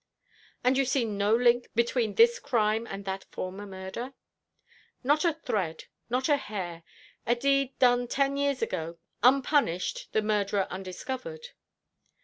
"And you see no link between this crime and that former murder?" "Not a thread not a hair. A deed done ten years ago unpunished, the murderer undiscovered."